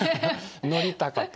乗りたかった。